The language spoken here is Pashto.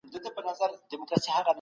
ما پرون د پښتو ژبي یو تکړه لیکوال ولیدی